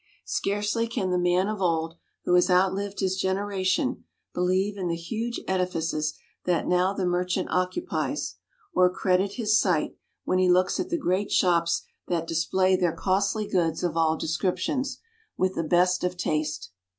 Scarcely can the man of old, who has outlived his generation, believe in the huge edifices that now the merchant occupies, or credit his sight, when he looks at the great shops that display their costly goods of all descriptions, with the best of taste.